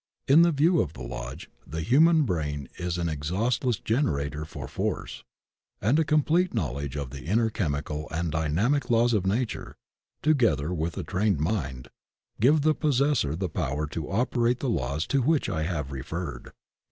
In the view of the Lodge "the human brain is an exhaustless generator for force," and a complete knowledge of the inner chemical and dynamic laws of Nature, together with a trained mind, give the possessor the power to operate the laws to which I have referred.